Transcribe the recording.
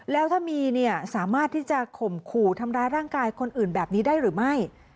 แล้วถ้ามีเนี่ยสามารถที่จะข่มขู่ทำร้ายร่างกายคนอื่นแบบนี้ได้หรือไม่